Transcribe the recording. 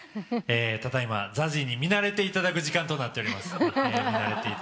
ただ今ＺＡＺＹに見慣れていただく時間となっております。